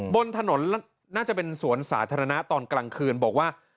บนถนนน่าจะเป็นสวนสาธารณะตอนกลางคืนบอกว่า